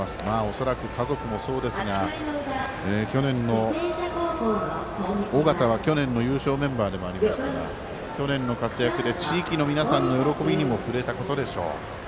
恐らく家族もそうですが尾形は去年の優勝メンバーでもありますから去年の活躍で地域の皆さんの喜びにも触れたことでしょう。